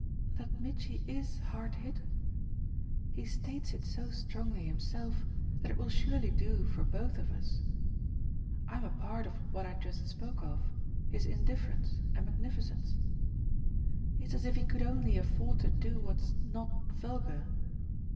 "That Mitchy IS hard hit? He states it so strongly himself that it will surely do for both of us. I'm a part of what I just spoke of his indifference and magnificence. It's as if he could only afford to do what's not vulgar.